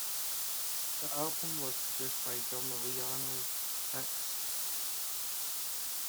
The album was produced by drummer Lionel Hicks.